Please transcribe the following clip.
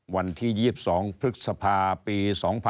วันที่๒๒พฤษภาปี๒๕๖๒